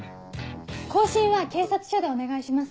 更新は警察署でお願いします。